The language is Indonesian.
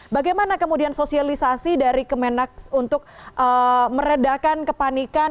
bagaimana kemudian sosialisasi dari kemenak untuk meredakan kepanikan